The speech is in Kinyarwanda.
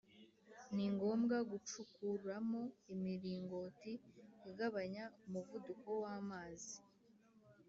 Ni ngombwa gucukuramo imiringoti igabanya umuvuduko w’amazi